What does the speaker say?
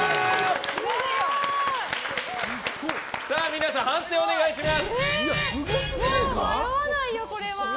皆さん、判定をお願いします。